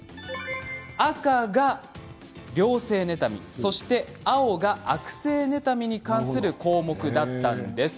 赤が良性妬みそして青が悪性妬みに関する項目だったんです。